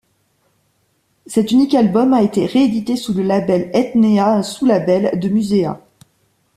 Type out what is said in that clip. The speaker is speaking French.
Cet unique album a été réédité sous le label Ethnea, un sous-label de Musea.